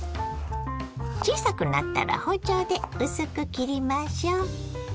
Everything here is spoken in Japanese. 小さくなったら包丁で薄く切りましょ。